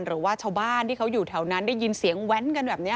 หรือว่าชาวบ้านที่เขาอยู่แถวนั้นได้ยินเสียงแว้นกันแบบนี้